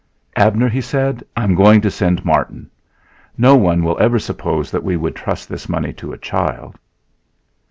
"Abner," he said, "I'm going to send Martin. No one will ever suppose that we would trust this money to a child."